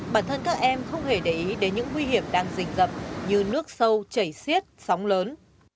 bản thân các em không hề để ý đến những nguy hiểm đang dình dập như nước sâu chảy xiết sóng lớn